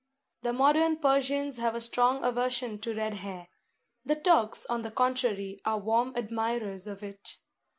The modern Persians have a strong aversion to red hair: the Turks, on the contrary, are warm admirers of it.